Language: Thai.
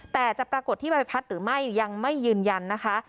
แต่จะปรากฏที่ใบพัดหรือไม่ยังไม่ยืนยันนะคะ